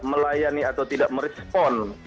melayani atau tidak merespon